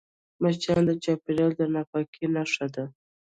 مچان د چاپېریال د ناپاکۍ نښه ده